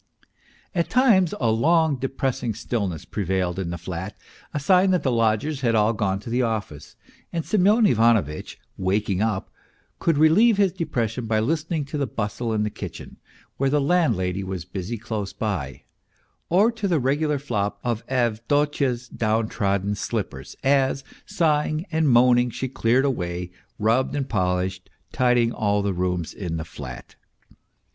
At times a long depressing stillness prevailed in the flat, a sign that the lodgers had all gone to the office, and Semyon Ivanovitch, waking up, could relieve his depression by listening to the bustle in the kitchen, where the landlady was busy close by ; or to the regular flop of Avdotya's down trodden slippers as, sighing and moaning, she cleared away, rubbed and polished, tidying all the rooms in the flat.